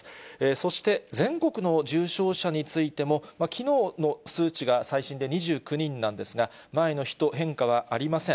そして、全国の重症者についても、きのうの数値が最新で２９人なんですが、前の日と変化はありません。